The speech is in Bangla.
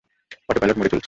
অটোপাইলট মোডে চলছে।